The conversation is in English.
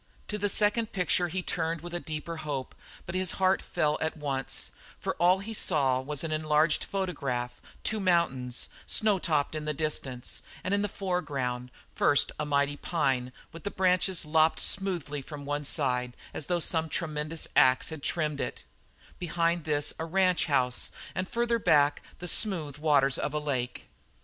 To the second picture he turned with a deeper hope, but his heart fell at once, for all he saw was an enlarged photograph, two mountains, snow topped in the distance, and in the foreground, first a mighty pine with the branches lopped smoothly from the side as though some tremendous ax had trimmed it, behind this a ranch house, and farther back the smooth waters of a lake.